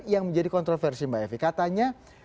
yang menjadi kontroversi mbak evi katanya